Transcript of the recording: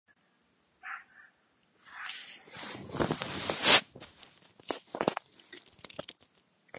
A pesar de estar incluido en el Listado Inmueble Arqueológico.